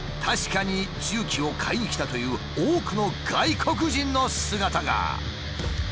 確かに重機を買いに来たという多くの外国人の姿が。